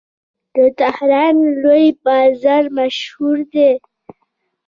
د تهران لوی بازار مشهور دی.